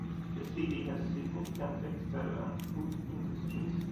The city has significant textile and food industries.